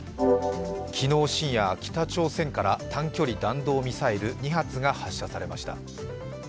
昨日深夜、北朝鮮から短距離弾道ミサイル２発が発射されました。